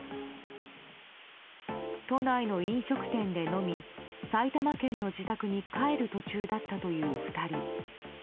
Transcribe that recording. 都内の飲食店で飲み埼玉県の自宅に帰る途中だったという２人。